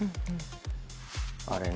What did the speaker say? あれね。